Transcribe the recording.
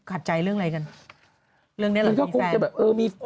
หัดใจเรื่องอะไรกันนี่